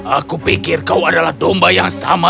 aku pikir kau adalah domba yang sama